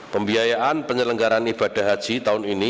pembiayaan penyelenggaran ibadah haji tahun ini